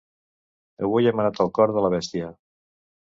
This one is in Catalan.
Avui hem anat al cor de la bèstia!